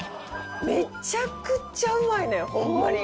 めちゃくちゃうまいねんホンマに。